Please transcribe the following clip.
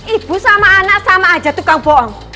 ibu sama anak sama aja tukang bohong